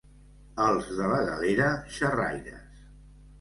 Els de la Galera, xerraires.